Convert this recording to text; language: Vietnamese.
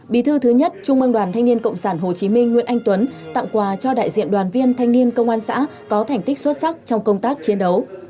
bí thư thứ nhất trung mương đoàn thanh niên cộng sản hồ chí minh nguyễn anh tuấn tặng quà cho đại diện đoàn viên thanh niên công an xã có thành tích xuất sắc trong công tác chiến đấu